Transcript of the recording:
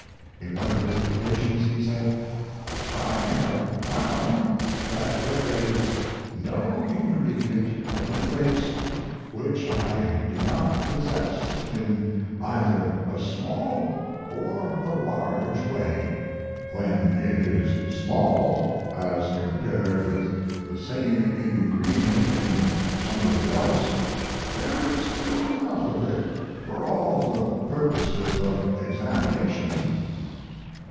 In one of his dictations he said: I have found that there is no ingredient of the race which I do not possess in either a small or a large way. When it is small, as compared with the same ingredient in somebody else, there is still enough of it for all the purposes of examination.